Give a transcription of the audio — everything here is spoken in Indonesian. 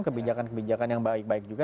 kebijakan kebijakan yang baik baik juga